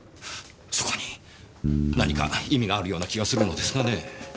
そこに何か意味があるような気がするのですがねぇ。